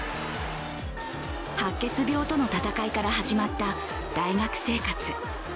白血病との闘いから始まった大学生活。